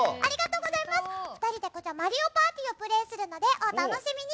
２人で「マリオパーティ」をプレイするのでお楽しみに。